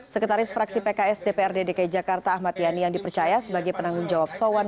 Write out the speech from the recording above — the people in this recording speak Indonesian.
sekretaris fraksi pks dprd dki jakarta ahmad yani yang dipercaya sebagai penanggung jawab sowan